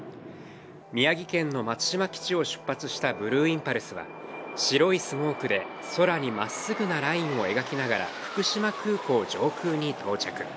宮城県の松島基地を出発したブルーインパルスは、白いスモークで空にまっすぐなラインを描きながら福島空港上空に到着。